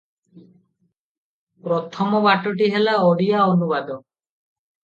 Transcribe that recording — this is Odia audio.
ପ୍ରଥମ ବାଟଟି ହେଲା ଓଡ଼ିଆ ଅନୁବାଦ ।